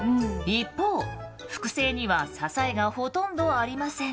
一方複製には支えがほとんどありません。